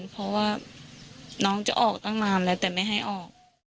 เพราะว่าน้องจะออกตั้งนานแล้วแต่ไม่ให้ออก